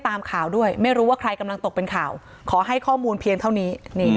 ตามข่าวด้วยไม่รู้ว่าใครกำลังตกเป็นข่าวขอให้ข้อมูลเพียงเท่านี้